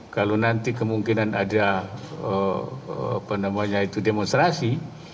kalau nanti kemungkinan ada demonstrasi